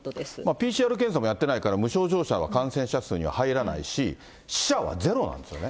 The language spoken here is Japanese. ＰＣＲ検査もやってないから、無症状者は感染者数には入らないし、死者はゼロなんですよね。